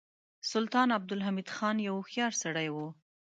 سلطان عبدالحمید خان یو هوښیار سړی و.